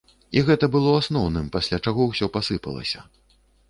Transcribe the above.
І гэта было асноўным, пасля чаго ўсё пасыпалася.